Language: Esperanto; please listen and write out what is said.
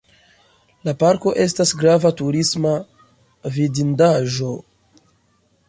La parko estas grava turisma vidindaĵo.